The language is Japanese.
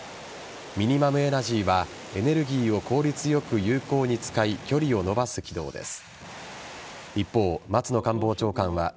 ミニマムエナジーはエネルギーを効率よく有効に使い距離を延ばす軌道です。